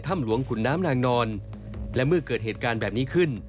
หลวงขุนน้ำนางนอนและเมื่อเกิดเหตุการณ์แบบนี้ขึ้น